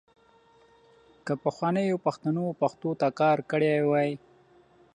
که پخوانیو پښتنو پښتو ته کار کړی وای .